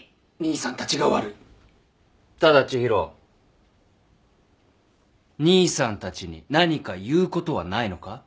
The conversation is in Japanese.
ただ知博兄さんたちに何か言うことはないのか？